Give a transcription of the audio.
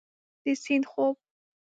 د سیند خوب